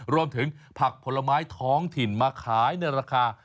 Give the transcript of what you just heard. รวมถึงผักพลไม้ทองถิ่นมาขายในราคา